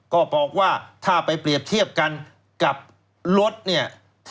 ก็บอกว่าถ้าไปเปรียบเทียบกันกับรถเนี่ย